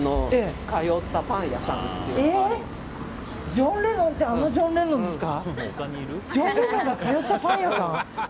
ジョン・レノンってあのジョン・レノンですか。